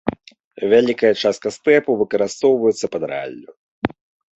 Вялікая частка стэпу выкарыстоўваецца пад раллю.